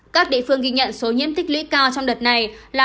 các địa phương ghi nhận số nhiễm tích lũy cao trong đợt này là